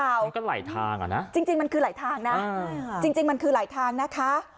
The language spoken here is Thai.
มันก็ไหลทางอ่ะนะจริงมันคือหลายทางนะจริงมันคือหลายทางนะคะ